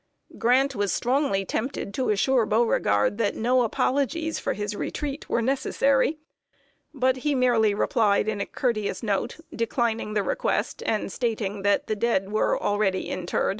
Grant was strongly tempted to assure Beauregard that no apologies for his retreat were necessary! But he merely replied in a courteous note, declining the request, and stating that the dead were already interred.